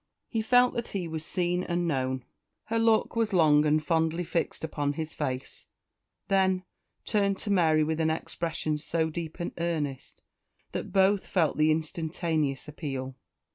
He felt that he was seen and known. Her look was long and fondly fixed upon his face; then turned to Mary with an expression so deep and earnest that both felt the instantaneous appeal.